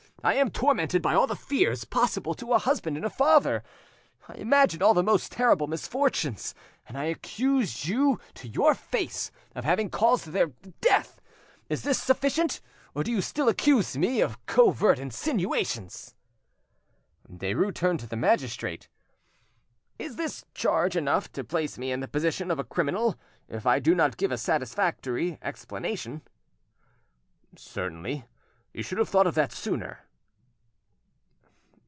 I am tormented by all the fears possible to a husband and father; I imagine all the most terrible misfortunes, and I accuse you to your face of having caused their death! Is this sufficient, or do you still accuse me of covert insinuations?" Derues turned to the magistrate. "Is this charge enough to place me in the position of a criminal if I do not give a satisfactory explanation?" "Certainly; you should have thought of that sooner."